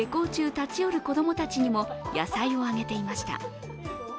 立ち寄る子供たちにも野菜をあげていました。